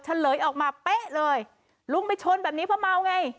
เฉลยออกมาเป๊ะเลยลุงไปชนแบบนี้เพราะเมาไง